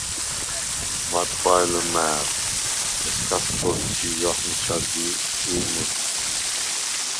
მათხუ̂ა̈ჲ ლჷმა̄̈რ, ეჩქას ქო̄თჩი̄ჟახ მიჩა დი ი მუს.